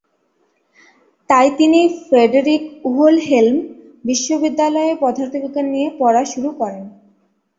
তাই তিনি Friedrich Wilhelm বিশ্ববিদ্যালয়ে পদার্থবিজ্ঞান নিয়ে পড়া শুরু করেন।